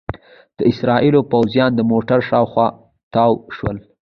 دوه اسرائیلي پوځیان د موټر شاوخوا تاو شول.